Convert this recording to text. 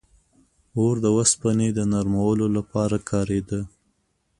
• اور د اوسپنې د نرمولو لپاره کارېده.